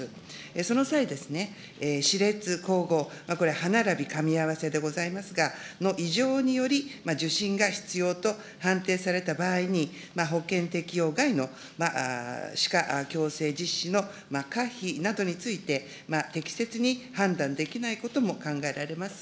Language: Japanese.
その際、歯列こうご、歯並びかみ合わせでございますが、異常により、受診が必要と判定された場合に、保険適用外の歯科矯正実施の可否などについて、適切に判断できないことも考えられます。